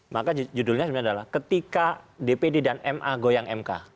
maka judulnya sebenarnya adalah ketika dpd dan ma goyang mk